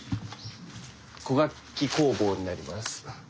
古楽器工房になります。